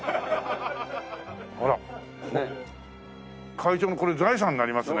会長もこれ財産になりますね。